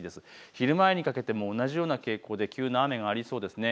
昼前にかけても同じような天候で急な雨がありそうです。